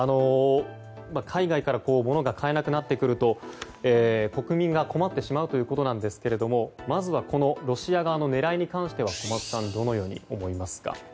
海外から物が買えなくなってくると国民が困ってしまうということなんですがまずは、このロシア側の狙いに関しては小松さんどのように思いますか。